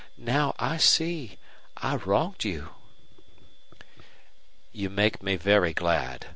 Now I see I wronged you." "You make me very glad.